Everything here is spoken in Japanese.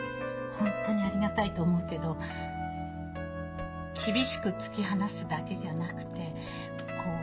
本当にありがたいと思うけど厳しく突き放すだけじゃなくてこう